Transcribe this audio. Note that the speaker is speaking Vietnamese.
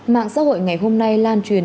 mạng xã hội ngày hôm nay lan truyền